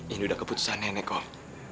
ini udah keputusan nenek kok